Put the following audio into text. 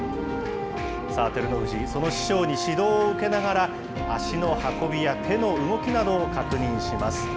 さあ、照ノ富士、その師匠に指導を受けながら、足の運びや手の動きなどを確認します。